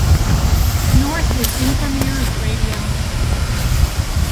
North is Invermere, Radium, and Golden.